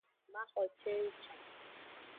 Maxo cenji.